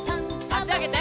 あしあげて。